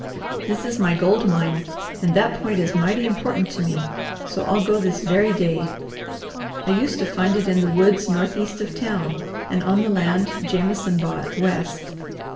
This is my gold mine, and that point is mighty important to me, so I'll go this very day. I used to find it in the woods northeast of town and on the land Jameson bought, west.